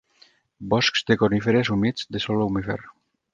Boscs de coníferes humits, de sòl humífer.